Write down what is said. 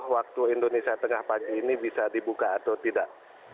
waktu indonesia tengah pagi ini bisa dibuka atau tidak